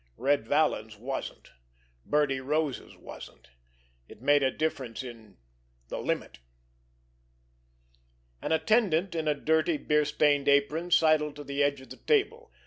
Red Vallon's wasn't. Birdie Rose's wasn't. It made a difference in—the limit! An attendant, in a dirty, beer stained apron, sidled to the edge of the table.